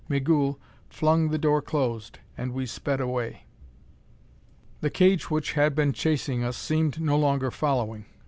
Migul flung the door closed, and we sped away. The cage which had been chasing us seemed no longer following.